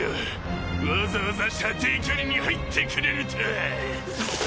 わざわざ射程距離に入ってくれるとは。